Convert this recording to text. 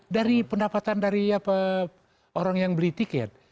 dari pendapatan dari orang yang beli tiket